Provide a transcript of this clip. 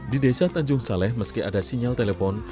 di desa tanjung saleh meski ada sinyal telepon